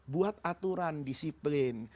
buat aturan disiplin